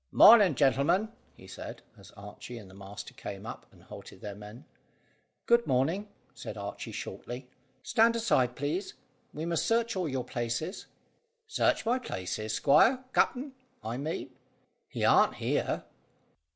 "Mornin', gentlemen," he said, as Archy and the master came up, and halted their men. "Good morning," said Archy shortly. "Stand aside, please; we must search all your places." "Search my places, squire capt'n, I mean? He aren't here."